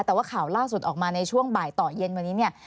แต่ว่าข่าวล่าสุดออกมาในช่วงบ่ายต่อเย็นวันนี้เนี่ย